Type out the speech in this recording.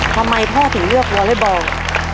ทำไมพ่อถึงเลือกวอเล็กบอล